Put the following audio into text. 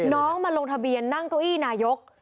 น้องมาลงทะเบียนนั่งเก้าอี้นายก